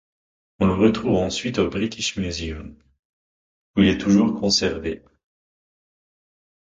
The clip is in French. On le retrouve ensuite au British Museum, où il est toujours conservé.